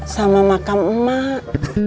sama makam emak